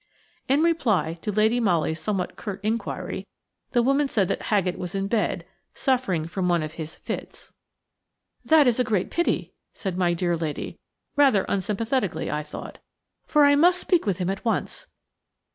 In reply to Lady Molly's somewhat curt inquiry, the woman said that Haggett was in bed, suffering from one of his "fits." "That is a great pity," said my dear lady, rather unsympathetically, I thought, "for I must speak with him at once."